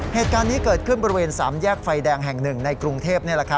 เหตุการณ์นี้เกิดขึ้นบริเวณ๓แยกไฟแดงแห่งหนึ่งในกรุงเทพ